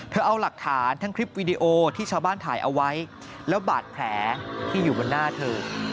เอาหลักฐานทั้งคลิปวีดีโอที่ชาวบ้านถ่ายเอาไว้แล้วบาดแผลที่อยู่บนหน้าเธอ